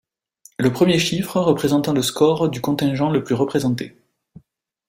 Le premier chiffre représentant le score du contingent le plus représenté.